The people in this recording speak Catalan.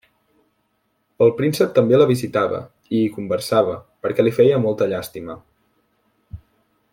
El príncep també la visitava, i hi conversava, perquè li feia molta llàstima.